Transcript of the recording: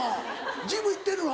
ジム行ってるの？